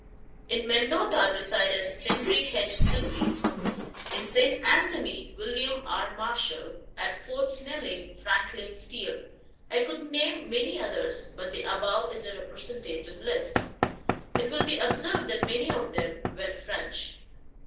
In Mendota resided Henry H. Sibley. In St. Anthony, William R. Marshall; at Fort Snelling, Franklin Steele. I could name many others, but the above is a representative list. It will be observed that many of them were French.